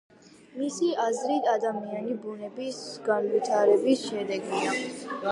მისი აზრით, ადამიანი ბუნების განვითარების შედეგია.